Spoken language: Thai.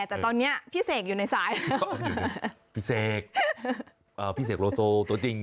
แต่ตอนนี้พี่เสกอยู่ในสายพี่เสกพี่เสกโลโซตัวจริง